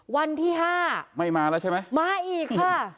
วันที่ห้าไม่มาแล้วใช่ไหมมาอีกค่ะ